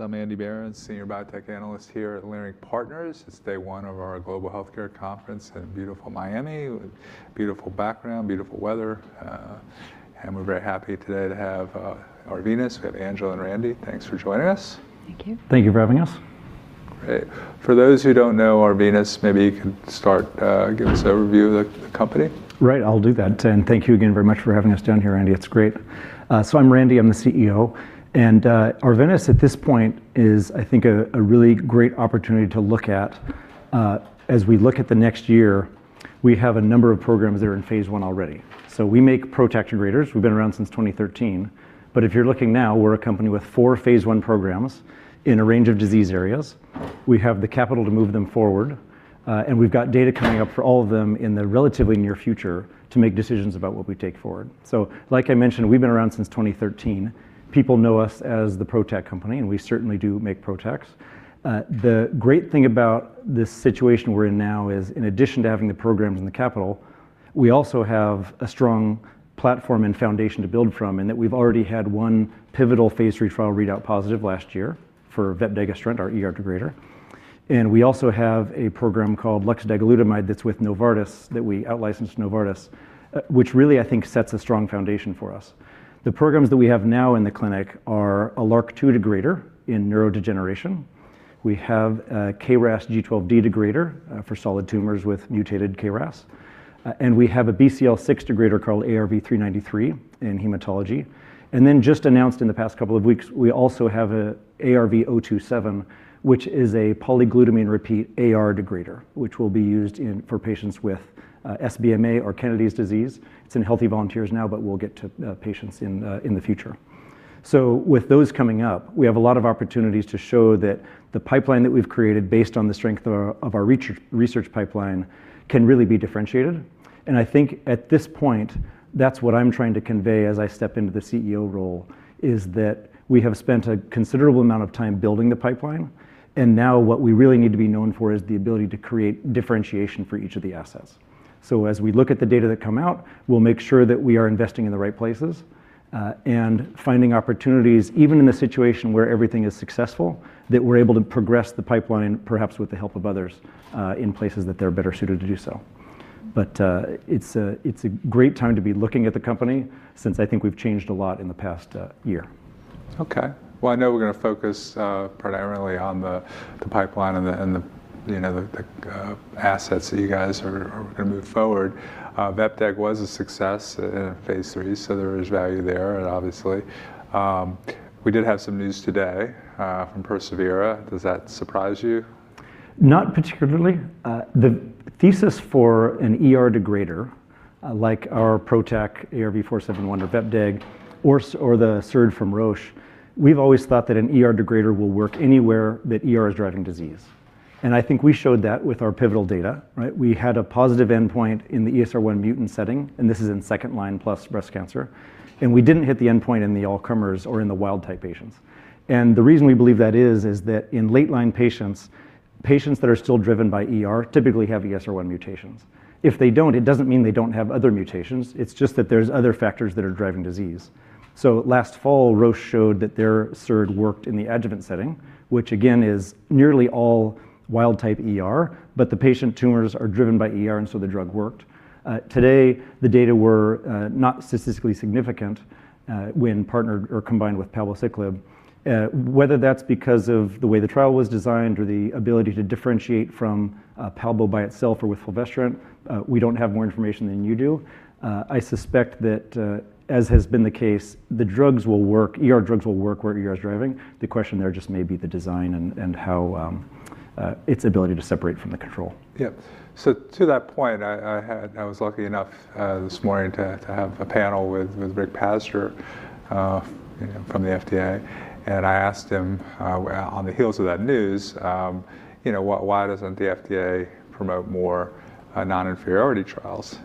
I'm Andy Baron, Senior Biotech Analyst here at Leerink Partners. It's day one of our Global Healthcare Conference in beautiful Miami, beautiful background, beautiful weather, and we're very happy today to have Arvinas. We have Angela and Randy. Thanks for joining us. Thank you. Thank you for having us. Great. For those who don't know Arvinas, maybe you can start, give us an overview of the company. Thank you again very much for having us down here, Andy, it's great. I'm Randy, I'm the CEO, and Arvinas at this point is, I think, a really great opportunity to look at, as we look at the next year, we have a number of programs that are in phase I already. We make PROTAC degraders. We've been around since 2013. If you're looking now, we're a company with four phase I programs in a range of disease areas. We have the capital to move them forward, and we've got data coming up for all of them in the relatively near future to make decisions about what we take forward. Like I mentioned, we've been around since 2013. People know us as the PROTAC company, and we certainly do make PROTACs. The great thing about this situation we're in now is in addition to having the programs and the capital, we also have a strong platform and foundation to build from, in that we've already had pivotal phase trial readout positive last year for vepdegestrant, our ER degrader. We also have a program called Bavdegalutamide that's with Novartis, that we outlicensed to Novartis, which really I think sets a strong foundation for us. The programs that we have now in the clinic are a LRRK2 degrader in neurodegeneration. We have a KRAS G12D degrader for solid tumors with mutated KRAS. We have a BCL6 degrader called ARV-393 in hematology. Just announced in the past couple of weeks, we also have ARV-027, which is a polyglutamine repeat AR degrader, which will be used in, for patients with SBMA or Kennedy's disease. It's in healthy volunteers now, but we'll get to patients in the future. With those coming up, we have a lot of opportunities to show that the pipeline that we've created based on the strength of our research pipeline can really be differentiated. I think at this point, that's what I'm trying to convey as I step into the CEO role, is that we have spent a considerable amount of time building the pipeline, and now what we really need to be known for is the ability to create differentiation for each of the assets. As we look at the data that come out, we'll make sure that we are investing in the right places, and finding opportunities, even in the situation where everything is successful, that we're able to progress the pipeline, perhaps with the help of others, in places that they're better suited to do so. It's a great time to be looking at the company since I think we've changed a lot in the past year. Okay. Well, I know we're gonna focus predominantly on the pipeline and the, you know, the assets that you guys are gonna move forward. Vepdeg was a success in phase III, so there is value there obviously. We did have some news today from persevERA. Does that surprise you? Not particularly. The thesis for an ER degrader, like our PROTAC ARV-471 or vepdeg or the SERD from Roche, we've always thought that an ER degrader will work anywhere that ER is driving disease, and I think we showed that with our pivotal data, right? We had a positive endpoint in the ESR1 mutant setting, and this is in second line plus breast cancer, and we didn't hit the endpoint in the all comers or in the wild type patients. The reason we believe that is that in late line patients that are still driven by ER typically have ESR1 mutations. If they don't, it doesn't mean they don't have other mutations, it's just that there's other factors that are driving disease. Last fall, Roche showed that their SERD worked in the adjuvant setting, which again is nearly all wild type ER, but the patient tumors are driven by ER and so the drug worked. Today the data were not statistically significant when partnered or combined with palbociclib. Whether that's because of the way the trial was designed or the ability to differentiate from palbo by itself or with fulvestrant, we don't have more information than you do. I suspect that as has been the case, ER drugs will work where ER is driving. The question there just may be the design and how its ability to separate from the control. Yeah. To that point, I was lucky enough this morning to have a panel with Richard Pazdur, you know, from the FDA, and I asked him on the heels of that news, you know, why doesn't the FDA promote more non-inferiority trials?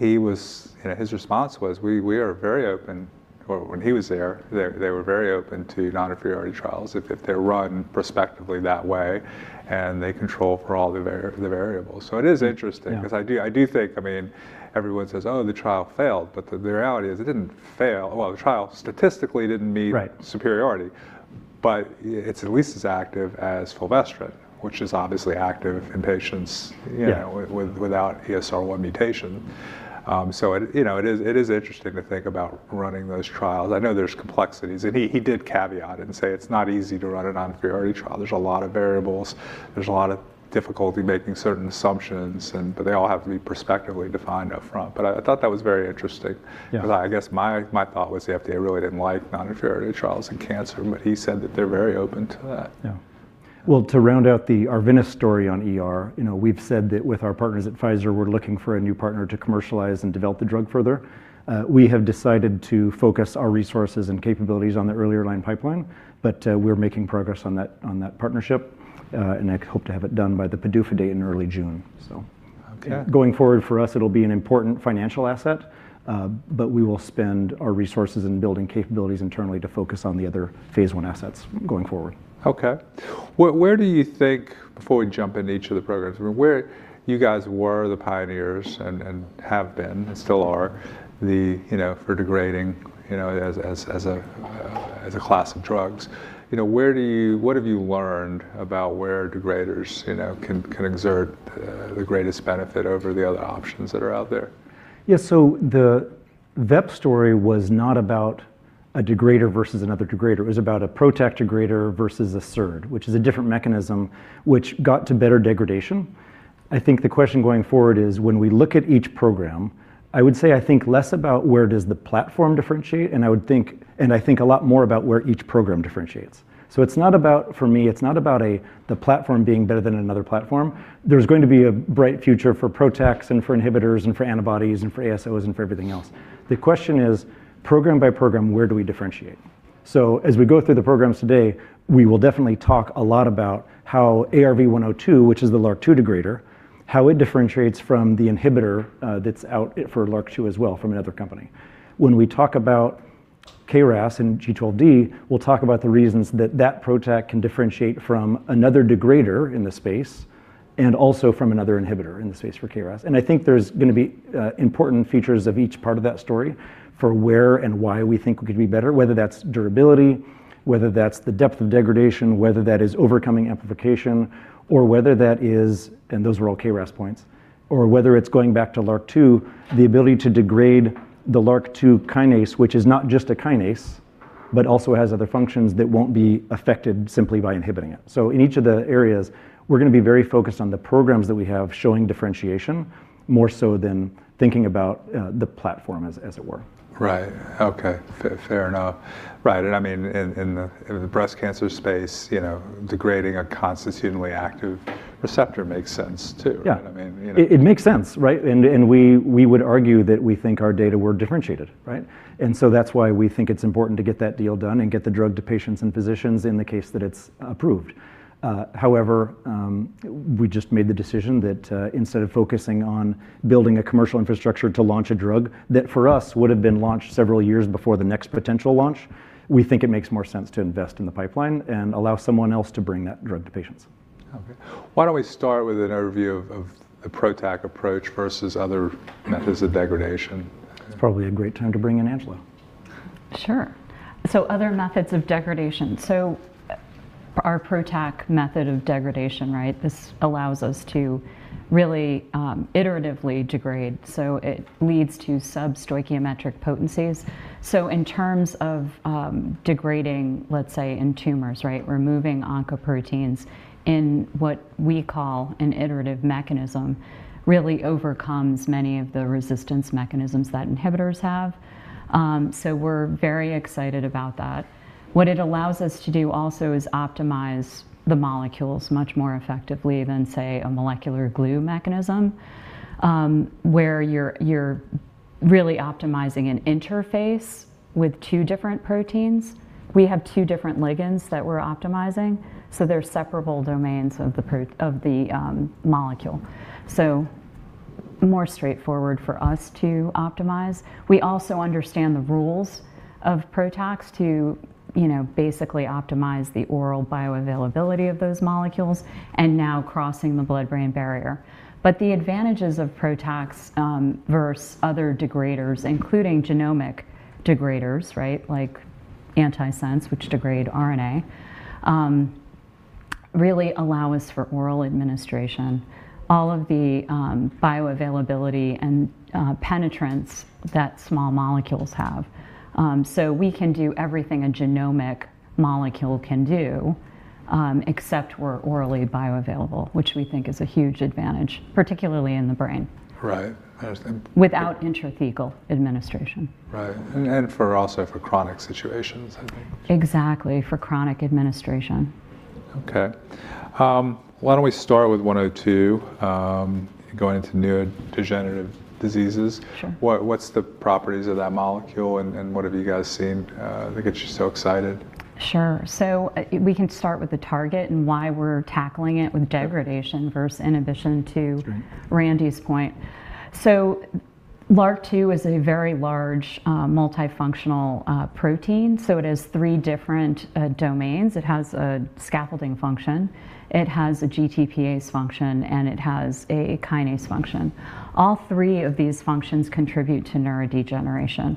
He was, you know, his response was, "We are very open..." Or when he was there, they were very open to non-inferiority trials if they're run prospectively that way and they control for all the variables. It is interesting- Yeah Beause I do think, I mean, everyone says, "Oh, the trial failed," but the reality is it didn't fail. Well, the trial statistically didn't meet. Right Superiority, it's at least as active as fulvestrant, which is obviously active in patients. Yeah You know, without ESR1 mutation. You know, it is interesting to think about running those trials. I know there's complexities, he did caveat and say it's not easy to run a non-inferiority trial. There's a lot of variables. There's a lot of difficulty making certain assumptions. They all have to be prospectively defined up front. I thought that was very interesting. Yeah. I guess my thought was the FDA really didn't like non-inferiority trials in cancer, but he said that they're very open to that. Well, to round out the Arvinas story on ER, you know, we've said that with our partners at Pfizer, we're looking for a new partner to commercialize and develop the drug further. We have decided to focus our resources and capabilities on the earlier line pipeline, but, we're making progress on that partnership. I hope to have it done by the PDUFA date in early June. Going forward for us, it'll be an important financial asset, but we will spend our resources in building capabilities internally to focus on the other phase I assets going forward. Okay. Where do you think, before we jump into each of the programs, where you guys were the pioneers and have been and still are the, you know, for degrading, you know, as a class of drugs, you know, what have you learned about where degraders, you know, can exert the greatest benefit over the other options that are out there? The VEP story was not about a degrader versus another degrader. It was about a PROTAC degrader versus a SERD, which is a different mechanism which got to better degradation. I think the question going forward is when we look at each program, I would say I think less about where does the platform differentiate and I think a lot more about where each program differentiates. It's not about, for me, it's not about the platform being better than another platform. There's going to be a bright future for PROTACs and for inhibitors and for antibodies and for ASOs and for everything else. The question is program by program, where do we differentiate? As we go through the programs today, we will definitely talk a lot about how ARV-102, which is the LRRK2 degrader, how it differentiates from the inhibitor that's out for LRRK2 as well from another company. When we talk about KRAS and G12D, we'll talk about the reasons that that PROTAC can differentiate from another degrader in the space and also from another inhibitor in the space for KRAS. I think there's going to be important features of each part of that story for where and why we think we could be better, whether that's durability, whether that's the depth of degradation, whether that is overcoming amplification, or and those are all KRAS points, or whether it's going back to LRRK2, the ability to degrade the LRRK2 kinase, which is not just a kinase, but also has other functions that won't be affected simply by inhibiting it. In each of the areas, we're going to be very focused on the programs that we have showing differentiation more so than thinking about the platform as it were. Right. Okay. Fair, fair enough. Right. I mean, in the breast cancer space, you know, degrading a constitutively active receptor makes sense too. Yeah. You know what I mean? You know. It makes sense, right? We would argue that we think our data were differentiated, right? That's why we think it's important to get that deal done and get the drug to patients and physicians in the case that it's approved. However, we just made the decision that instead of focusing on building a commercial infrastructure to launch a drug that for us would have been launched several years before the next potential launch, we think it makes more sense to invest in the pipeline and allow someone else to bring that drug to patients. Okay. Why don't we start with an overview of the PROTAC approach versus other methods of degradation? It's probably a great time to bring in Angela. Sure. Other methods of degradation. Our PROTAC method of degradation, right? This allows us to really iteratively degrade. It leads to substoichiometric potencies. In terms of degrading, let's say, in tumors, right? Removing oncoproteins in what we call an iterative mechanism really overcomes many of the resistance mechanisms that inhibitors have. We're very excited about that. What it allows us to do also is optimize the molecules much more effectively than, say, a molecular glue mechanism, where you're really optimizing an interface with two different proteins. We have two different ligands that we're optimizing, so they're separable domains of the molecule. More straightforward for us to optimize. We also understand the rules of PROTACs to, you know, basically optimize the oral bioavailability of those molecules and now crossing the blood-brain barrier. The advantages of PROTACs versus other degraders, including genomic degraders, right, like antisense, which degrade RNA, really allow us for oral administration all of the bioavailability and penetrance that small molecules have. We can do everything a genomic molecule can do, except we're orally bioavailable, which we think is a huge advantage, particularly in the brain. Right. I understand. Without intrathecal administration. Right. For also for chronic situations, I think. Exactly. For chronic administration. Okay. why don't we start with 102, going into neurodegenerative diseases. Sure. What's the properties of that molecule and what have you guys seen that gets you so excited? Sure. We can start with the target and why we're tackling it with degradation versus inhibition. Great. Randy's point. LRRK2 is a very large, multifunctional protein, so it has 3 different domains. It has a scaffolding function, it has a GTPase function, and it has a kinase function. All 3 of these functions contribute to neurodegeneration.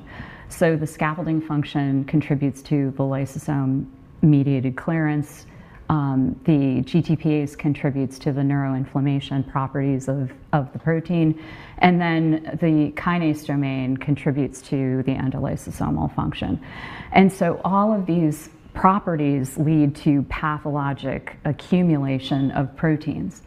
The scaffolding function contributes to the lysosome-mediated clearance, the GTPase contributes to the neuroinflammation properties of the protein, and then the kinase domain contributes to the endolysosomal function. All of these properties lead to pathologic accumulation of proteins.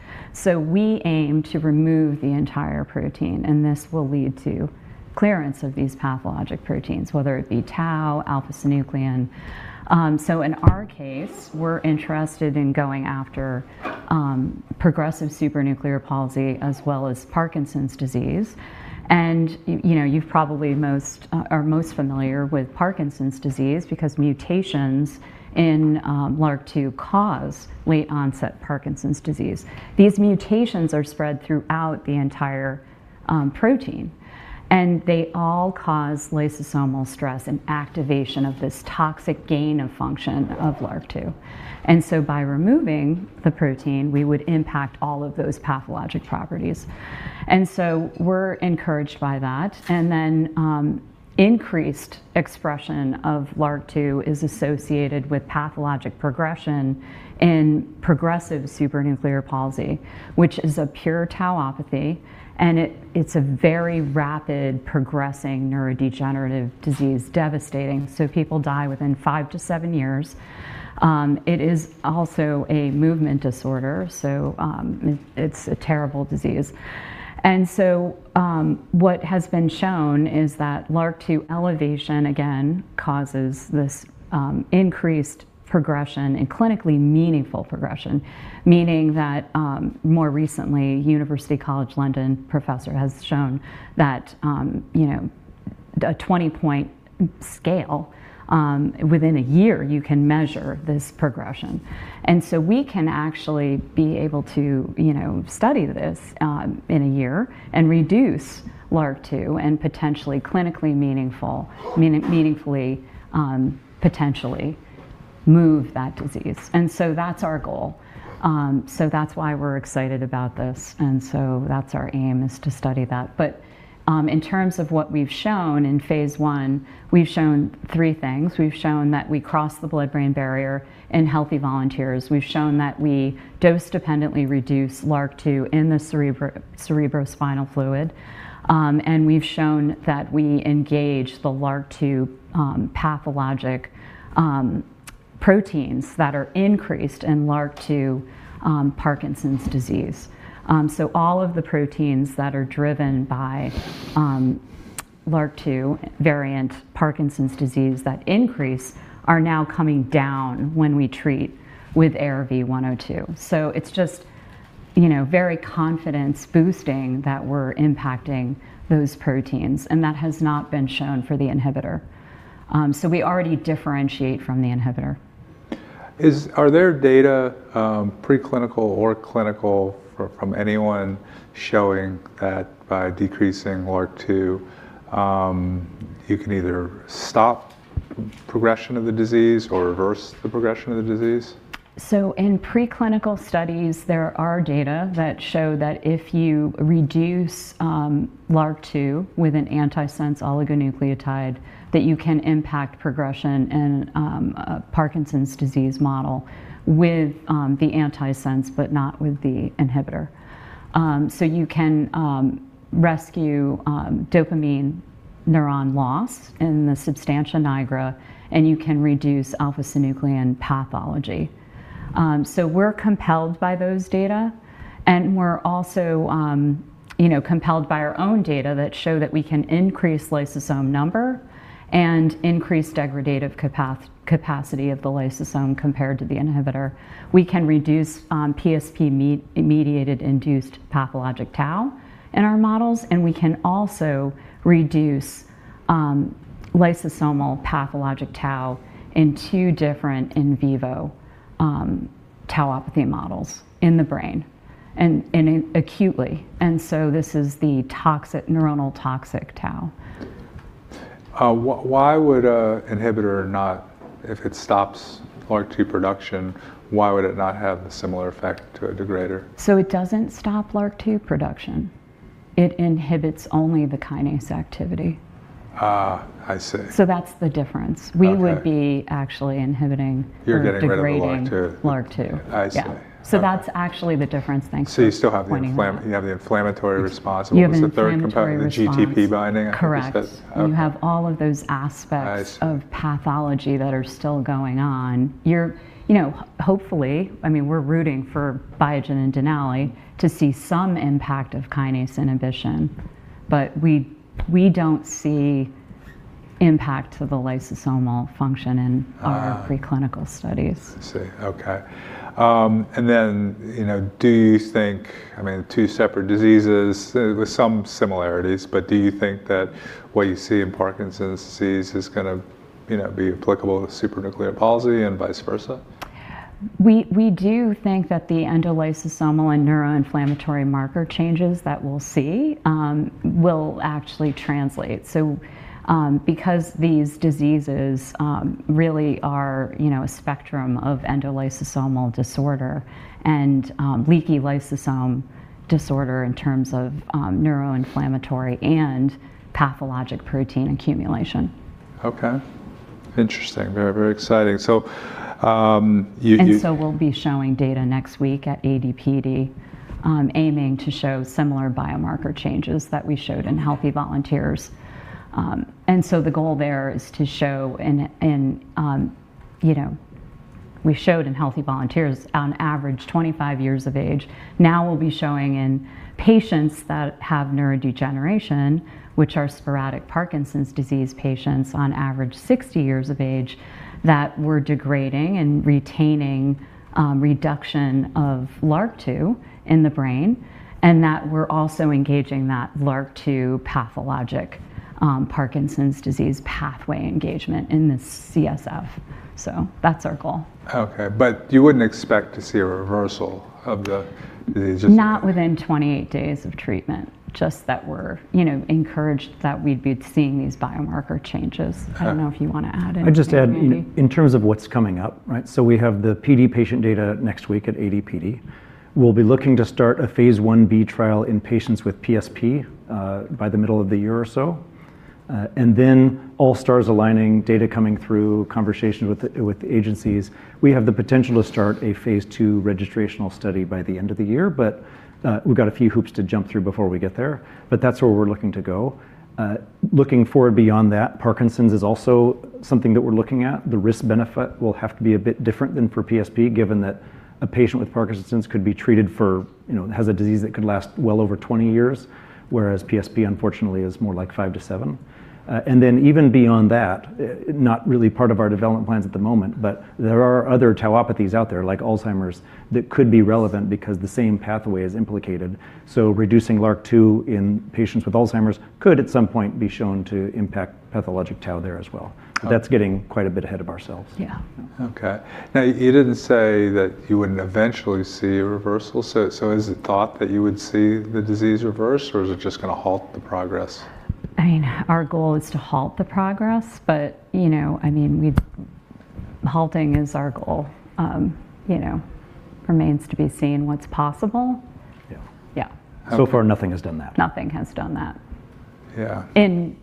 We aim to remove the entire protein, and this will lead to clearance of these pathologic proteins, whether it be tau, alpha-synuclein. In our case, we're interested in going after progressive supranuclear palsy as well as Parkinson's disease. You know, you've probably most familiar with Parkinson's disease because mutations in LRRK2 cause late onset Parkinson's disease. These mutations are spread throughout the entire protein, and they all cause lysosomal stress and activation of this toxic gain of function of LRRK2. By removing the protein, we would impact all of those pathologic properties. We're encouraged by that. Increased expression of LRRK2 is associated with pathologic progression in progressive supranuclear palsy, which is a pure tauopathy, and it's a very rapid progressing neurodegenerative disease, devastating. People die within 5 to 7 years. It is also a movement disorder, so it's a terrible disease. What has been shown is that LRRK2 elevation again causes this increased progression and clinically meaningful progression, meaning that, more recently, University College London professor has shown that, you know, a 20-point scale, within 1 year you can measure this progression. We can actually be able to, you know, study this in 1 year and reduce LRRK2 and potentially clinically meaningfully potentially move that disease. That's our goal. That's why we're excited about this. That's our aim, is to study that. In terms of what we've shown in phase I, we've shown three things. We've shown that we cross the blood-brain barrier in healthy volunteers. We've shown that we dose dependently reduce LRRK2 in the cerebrospinal fluid. We've shown that we engage the LRRK2 pathologic proteins that are increased in LRRK2 Parkinson's disease. All of the proteins that are driven by LRRK2 variant Parkinson's disease that increase are now coming down when we treat with ARV102. It's just, you know, very confidence boosting that we're impacting those proteins. That has not been shown for the inhibitor. We already differentiate from the inhibitor. Are there data, preclinical or clinical from anyone showing that by decreasing LRRK2, you can either stop progression of the disease or reverse the progression of the disease? In preclinical studies, there are data that show that if you reduce LRRK2 with an antisense oligonucleotide, that you can impact progression in a Parkinson's disease model with the antisense, but not with the inhibitor. You can rescue dopamine neuron loss in the substantia nigra, and you can reduce alpha-synuclein pathology. We're compelled by those data, and we're also, you know, compelled by our own data that show that we can increase lysosome number and increase degradative capacity of the lysosome compared to the inhibitor. We can reduce PSP-mediated induced pathologic tau in our models, and we can also reduce lysosomal pathologic tau in two different in vivo tauopathy models in the brain and acutely. This is the toxic neuronal toxic tau. Why would a inhibitor not, if it stops LRRK2 production, why would it not have the similar effect to a degrader? It doesn't stop LRRK2 production. It inhibits only the kinase activity. I see. That's the difference. Okay. We would be actually inhibiting. You're getting rid of the LRRK2. Or degrading LRRK2. I see. Yeah. Okay. That's actually the difference. Thanks for pointing that out. You still have the inflammatory response. You have inflammatory response. What was the third component? The GTP binding? I think was the. Correct. Okay. You have all of those aspects. I see. Of pathology that are still going on. You're, you know, hopefully, I mean, we're rooting for Biogen and Denali to see some impact of kinase inhibition. We don't see impact to the lysosomal function our preclinical studies. Ah. I see. Okay. You know, do you think, I mean, two separate diseases with some similarities, but do you think that what you see in Parkinson's disease is gonna, you know, be applicable to supranuclear palsy and vice versa? We do think that the endolysosomal and neuroinflammatory marker changes that we'll see, will actually translate. Because these diseases really are, you know, a spectrum of endolysosomal disorder and leaky lysosome disorder in terms of neuroinflammatory and pathologic protein accumulation. Okay. Interesting. Very, very exciting. We'll be showing data next week at AD/PD, aiming to show similar biomarker changes that we showed in healthy volunteers. The goal there is to show in, you know, we showed in healthy volunteers on average 25 years of age. Now we'll be showing in patients that have neurodegeneration, which are sporadic Parkinson's disease patients on average 60 years of age, that we're degrading and retaining, reduction of LRRK2 in the brain, and that we're also engaging that LRRK2 pathologic, Parkinson's disease pathway engagement in the CSF. That's our goal. Okay. You wouldn't expect to see a reversal of the disease? Not within 28 days of treatment, just that we're, you know, encouraged that we'd be seeing these biomarker changes. Okay. I don't know if you wanna add anything, Randy? I'd just add in terms of what's coming up, right? We have the PD patient data next week at AD/PD. We'll be looking to start a phase Ib trial in patients with PSP by the middle of the year or so. All stars aligning, data coming through, conversations with the agencies, we have the potential to start a phase II registrational study by the end of the year. We've got a few hoops to jump through before we get there. That's where we're looking to go. Looking forward beyond that, Parkinson's is also something that we're looking at. The risk-benefit will have to be a bit different than for PSP, given that a patient with Parkinson's could be treated for, you know, has a disease that could last well over 20 years, whereas PSP unfortunately is more like 5-7. Even beyond that, not really part of our development plans at the moment, but there are other tauopathies out there like Alzheimer's that could be relevant because the same pathway is implicated. Reducing LRRK2 in patients with Alzheimer's could at some point be shown to impact pathologic tau there as well. That's getting quite a bit ahead of ourselves. Yeah. You didn't say that you wouldn't eventually see a reversal. Is it thought that you would see the disease reverse or is it just going to halt the progress? I mean, our goal is to halt the progress, but, you know, I mean, halting is our goal. You know, remains to be seen what's possible. Yeah. Yeah. Okay. So far nothing has done that. Nothing has done that. Yeah. In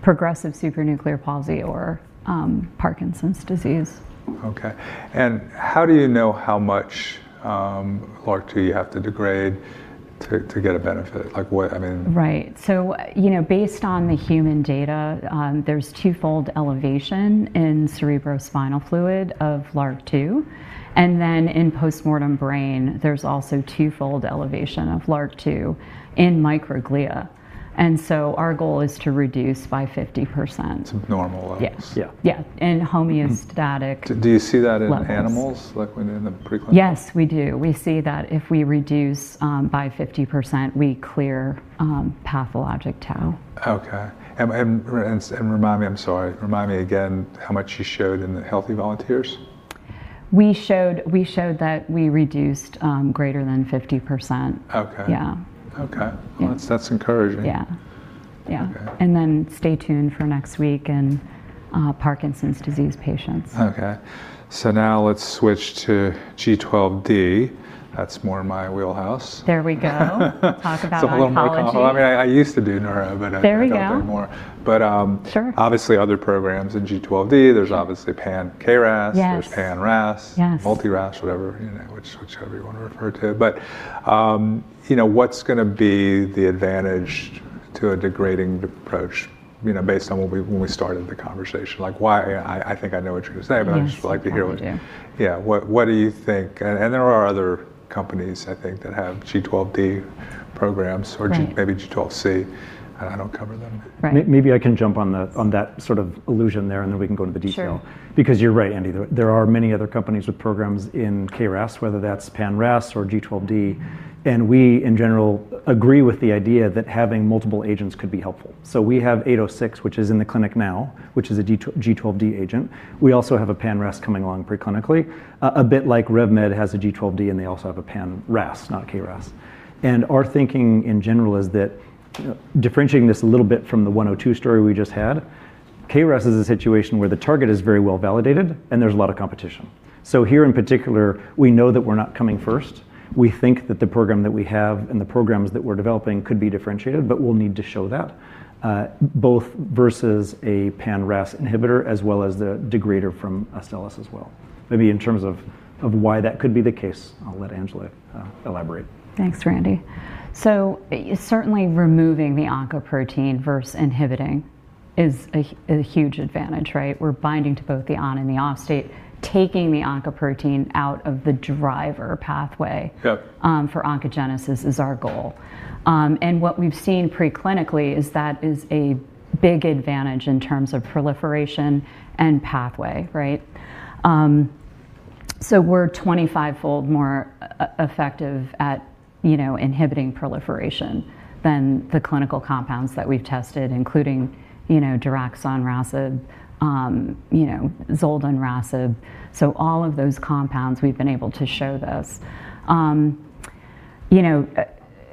progressive supranuclear palsy or Parkinson's disease. Okay. How do you know how much LRRK2 you have to degrade to get a benefit? I mean... Right. You know, based on the human data, there's twofold elevation in cerebrospinal fluid of LRRK2, and then in postmortem brain, there's also twofold elevation of LRRK2 in microglia. Our goal is to reduce by 50%. To normal levels. Yes. Yeah. Yeah. In homeostatic levels. Do you see that, animals, like when in the preclinical? Yes, we do. We see that if we reduce, by 50%, we clear, pathologic tau. Okay. Remind me, I'm sorry, remind me again how much you showed in the healthy volunteers. We showed that we reduced, greater than 50%. Okay. Yeah. Okay. Yeah. Well, that's encouraging. Yeah. Yeah. Okay. Stay tuned for next week and Parkinson's disease patients. Okay. Now let's switch to G12D. That's more my wheelhouse. There we go. Talk about oncology. It's a little more comfortable. I mean, I used to do neuro, but I don't do it anymore. There we go. Sure Obviously other programs in G12D. There's obviously pan-KRAS. Yes. There's pan-RAS. Yes. Multi-RAS, whatever, you know, which, whichever you wanna refer to. You know, what's gonna be the advantage to a degrading approach, you know, based on when we started the conversation? Like, why... I think I know what you're gonna say... Yes I'd just like to hear what. I do too. Yeah. What do you think? There are other companies, I think, that have G12D programs or maybe G12C. I don't cover them. Right. Right. Maybe I can jump on the, on that sort of illusion there, and then we can go into the detail. Sure. You're right, Andy. There are many other companies with programs in KRAS, whether that's pan-RAS or G12D, and we, in general, agree with the idea that having multiple agents could be helpful. We have 806, which is in the clinic now, which is a G12D agent. We also have a pan-RAS coming along pre-clinically. A bit like RevMed has a G12D, and they also have a pan-RAS, not KRAS. Our thinking, in general, is that, you know, differentiating this a little bit from the 102 story we just had, KRAS is a situation where the target is very well validated, and there's a lot of competition. Here in particular, we know that we're not coming first. We think that the program that we have and the programs that we're developing could be differentiated, but we'll need to show that, both versus a pan-RAS inhibitor as well as the degrader from Astellas as well. Maybe in terms of why that could be the case, I'll let Angela elaborate. Thanks, Randy. Certainly removing the oncoprotein verse inhibiting is a huge advantage, right? We're binding to both the on and the off state, taking the oncoprotein out of the driver pathway. Yep. For oncogenesis is our goal. What we've seen pre-clinically is that is a big advantage in terms of proliferation and pathway, right? We're 25-fold more effective at, you know, inhibiting proliferation than the clinical compounds that we've tested, including, you know, adagrasib, you know, zoldanrasib. All of those compounds we've been able to show this.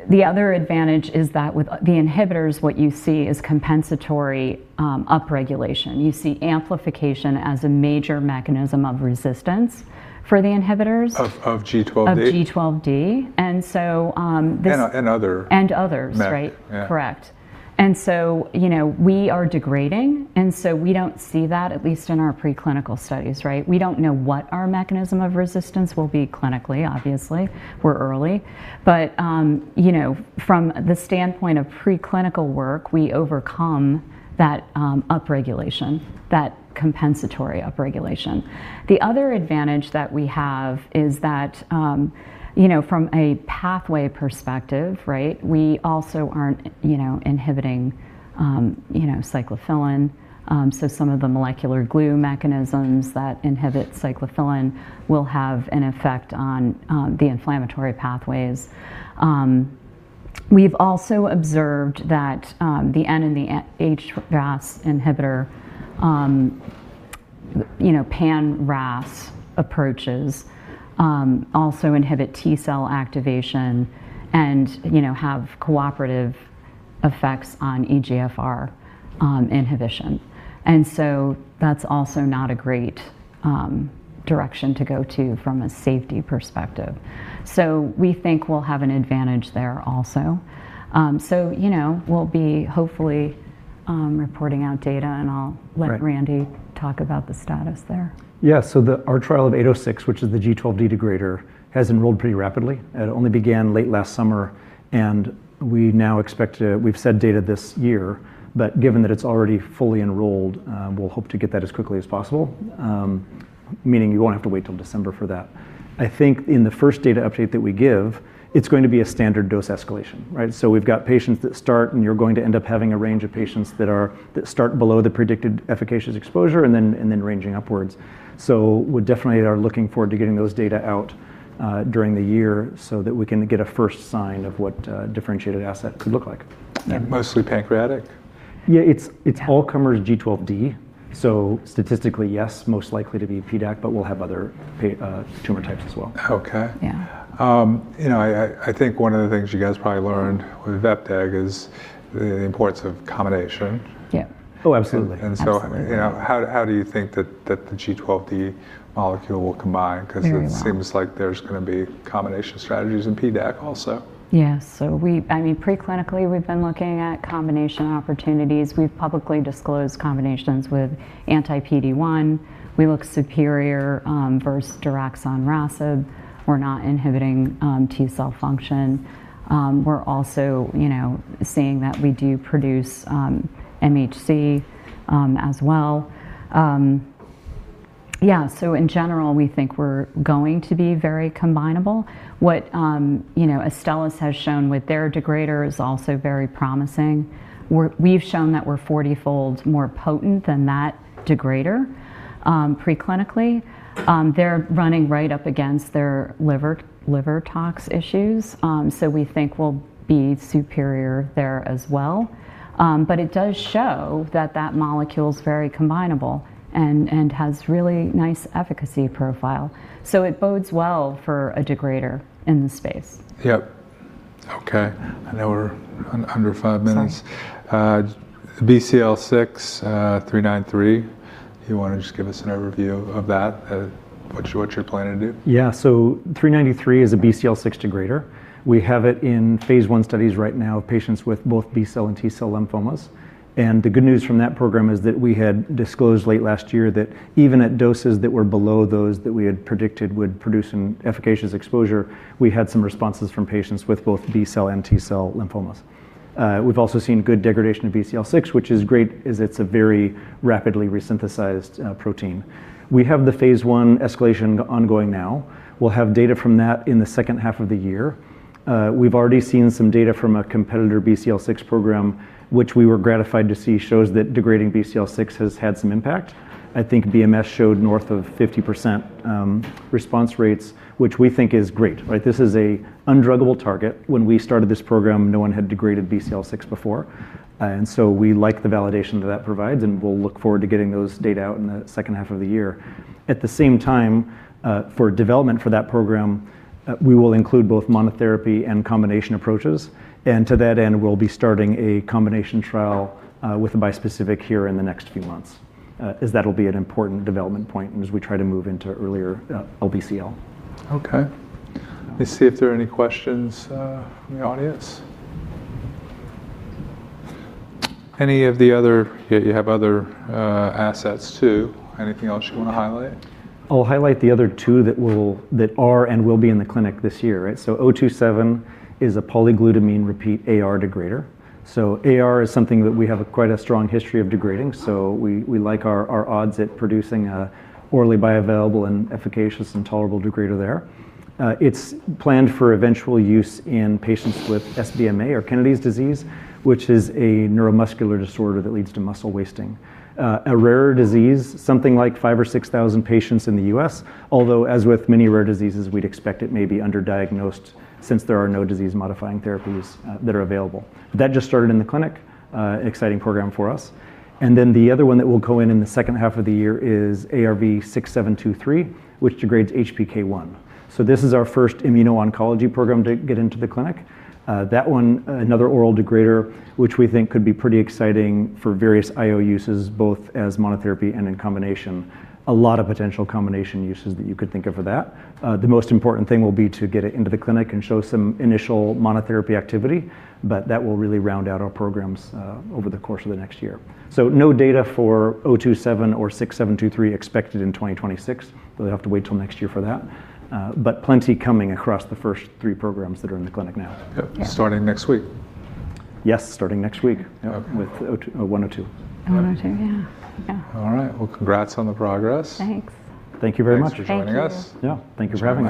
The other advantage is that with the inhibitors, what you see is compensatory upregulation. You see amplification as a major mechanism of resistance for the inhibitors. Of G12D? Of G12D. And, and other- Others. Meth. Right. Yeah. Correct. You know, we are degrading, and so we don't see that, at least in our pre-clinical studies, right? We don't know what our mechanism of resistance will be clinically, obviously. We're early. You know, from the standpoint of pre-clinical work, we overcome that upregulation, that compensatory upregulation. The other advantage that we have is that, you know, from a pathway perspective, right, we also aren't, you know, inhibiting, you know, cyclophilin. Some of the molecular glue mechanisms that inhibit cyclophilin will have an effect on the inflammatory pathways. We've also observed that the N and the H RAS inhibitor, you know, pan RAS approaches, also inhibit T cell activation and, you know, have cooperative effects on EGFR inhibition. That's also not a great direction to go to from a safety perspective. We think we'll have an advantage there also. You know, we'll be reporting out data. Right I'll let Randy talk about the status there. Our trial of ARV-806, which is the KRAS G12D degrader, has enrolled pretty rapidly. It only began late last summer, we've said data this year, but given that it's already fully enrolled, we'll hope to get that as quickly as possible, meaning you won't have to wait till December for that. I think in the first data update that we give, it's going to be a standard dose escalation, right? We've got patients that start, and you're going to end up having a range of patients that start below the predicted efficacious exposure and then, and then ranging upwards. We definitely are looking forward to getting those data out during the year so that we can get a first sign of what a differentiated asset could look like. Mostly pancreatic? Yeah. Yeah. it's all comers G12D. statistically, yes, most likely to be PDAC, but we'll have other tumor types as well. Okay. Yeah. You know, I think one of the things you guys probably learned with Vepdegestrant is the importance of combination. Yeah. Oh, absolutely. Absolutely. I mean, you know, how do you think that the G12D molecule will combine? Very well. It seems like there's gonna be combination strategies in PDAC also. I mean, preclinically, we've been looking at combination opportunities. We've publicly disclosed combinations with anti-PD-1. We look superior versus adagrasib. We're not inhibiting T-cell function. We're also, you know, seeing that we do produce MHC as well. In general, we think we're going to be very combinable. What, you know, Astellas has shown with their degrader is also very promising. We've shown that we're 40-fold more potent than that degrader preclinically. They're running right up against their liver tox issues, so we think we'll be superior there as well. But it does show that that molecule's very combinable and has really nice efficacy profile. It bodes well for a degrader in the space. Yep. Okay. I know we're under five minutes. Sorry. BCL6, 393. You wanna just give us an overview of that, what you're planning to do? ARV-393 is a BCL6 degrader. We have it in phase I studies right now with patients with both B-cell and T-cell lymphomas. The good news from that program is that we had disclosed late last year that even at doses that were below those that we had predicted would produce an efficacious exposure, we had some responses from patients with both B-cell and T-cell lymphomas. We've also seen good degradation of BCL6, which is great, as it's a very rapidly resynthesized protein. We have the phase I escalation ongoing now. We'll have data from that in the second half of the year. We've already seen some data from a competitor BCL6 program, which we were gratified to see shows that degrading BCL6 has had some impact. I think BMS showed north of 50% response rates, which we think is great, right? This is a undruggable target. When we started this program, no one had degraded BCL6 before, and so we like the validation that that provides, and we'll look forward to getting those data out in the second half of the year. At the same time, for development for that program, we will include both monotherapy and combination approaches. To that end, we'll be starting a combination trial with a bispecific here in the next few months, as that'll be an important development point as we try to move into earlier LBCL. Okay. Let's see if there are any questions from the audience. Any of the other... Yeah, you have other assets too. Anything else you wanna highlight? I'll highlight the other two that will, that are and will be in the clinic this year. Right? ARV-027 is a polyglutamine repeat AR degrader. AR is something that we have a quite a strong history of degrading, so we like our odds at producing a orally bioavailable and efficacious and tolerable degrader there. It's planned for eventual use in patients with SBMA or Kennedy's disease, which is a neuromuscular disorder that leads to muscle wasting. A rare disease, something like 5,000-6,000 patients in the U.S., although, as with many rare diseases, we'd expect it may be underdiagnosed since there are no disease modifying therapies that are available. That just started in the clinic, exciting program for us. The other one that will go in in the second half of the year is ARV-6723, which degrades HPK1. That one, another oral degrader, which we think could be pretty exciting for various IO uses, both as monotherapy and in combination. A lot of potential combination uses that you could think of for that. The most important thing will be to get it into the clinic and show some initial monotherapy activity, but that will really round out our programs over the course of the next year. No data for ARV-027 or ARV-6723 expected in 2026, but we have to wait till next year for that. Plenty coming across the first three programs that are in the clinic now. Yep. Yeah. Starting next week. Yes, starting next week. Okay. With 102. 102, yeah. Yeah. All right. Well, congrats on the progress. Thanks. Thank you very much. Thanks for joining us. Thank you. Yeah. Thank you for having us.